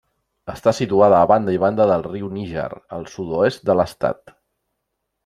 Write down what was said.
Està situada a banda i banda del riu Níger, al sud-oest de l'estat.